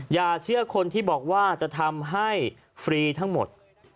อย่าเชื่อคนที่บอกว่าจะทำให้ฟรีทั้งหมด